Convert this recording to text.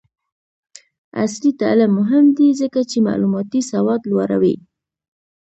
عصري تعلیم مهم دی ځکه چې معلوماتي سواد لوړوي.